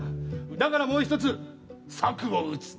だからもう１つ策を打つ。